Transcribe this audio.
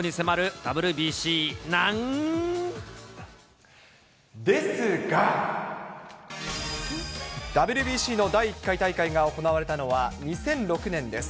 ＷＢＣの第１回大会が行われたのは、２００６年です。